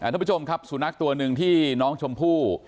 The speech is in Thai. ทุกผู้ชมครับสุนัขตัวหนึ่งที่น้องชมพู่